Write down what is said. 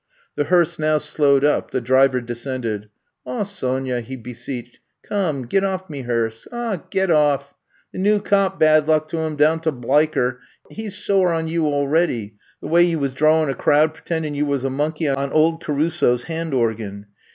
'' The hearse now slowed up, the driver de scended. *^Aw, Sonya,'' he beseeched, come, git oflf me hearse. Aw, git off. The new cop, bad luck to him, down to Bliker, he 's sore on ye already — the way ye was drawin' a crowd pritindin' ye was a monkey on ould Caruso's hand organ.